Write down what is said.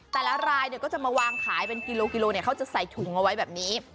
รายก็จะมาวางขายเป็นกิโลกิโลเขาจะใส่ถุงเอาไว้แบบนี้